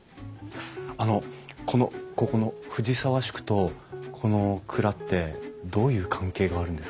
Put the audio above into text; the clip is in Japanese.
あのこのここの藤沢宿とこの蔵ってどういう関係があるんですか？